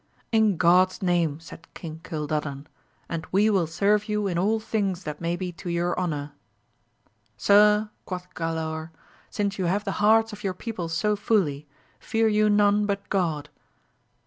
In God*s name, said King Cildadan, and we will serve you in all things that may be to your honour. Sir, quoth Galaor, since you have the hearts of your people so fully, fear you none but God.